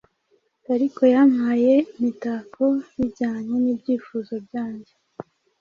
Ariko yampaye imitakobijyanye nibyifuzo byanjye